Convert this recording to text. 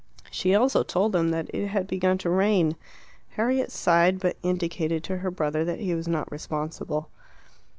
She also told them that it had begun to rain. Harriet sighed, but indicated to her brother that he was not responsible.